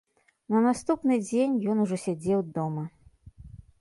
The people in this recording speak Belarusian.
На наступны дзень ён ужо сядзеў дома.